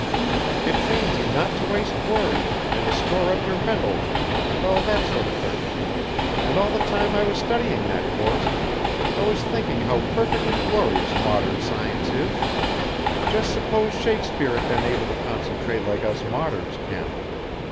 It trains you not to waste words, and to store up your mental energy, and all that sort of thing. And all the time I was studying that course, I was thinking how perfectly glorious modern science is. Just suppose Shakespeare had been able to concentrate like us moderns can!